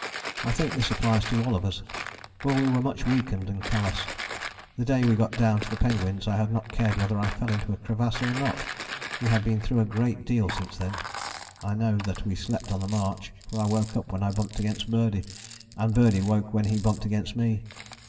I think this applies to all of us, for we were much weakened and callous. The day we got down to the penguins I had not cared whether I fell into a crevasse or not. We had been through a great deal since then. I know that we slept on the march; for I woke up when I bumped against Birdie, and Birdie woke when he bumped against me.